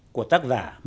của tác giả mạng